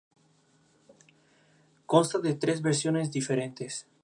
Consta de tres versiones diferentes.